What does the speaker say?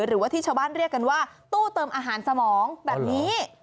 หรือว่าที่ชาวบ้านเรียกกันว่าตู้เติมอาหารสมองแบบนี้